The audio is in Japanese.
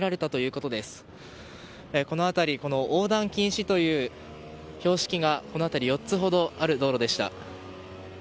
この辺り、横断禁止という標識が４つほどある道路でした。